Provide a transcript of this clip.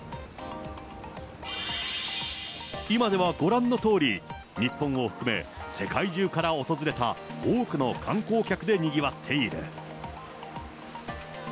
今ではご覧のとおり、日本を含め、世界中から訪れた多くの観光客でにぎわっている。